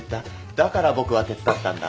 だから僕は手伝ったんだ。